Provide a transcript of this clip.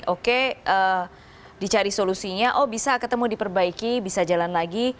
oke dicari solusinya oh bisa ketemu diperbaiki bisa jalan lagi